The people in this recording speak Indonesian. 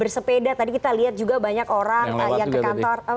bersepeda tadi kita lihat juga banyak orang yang ke kantor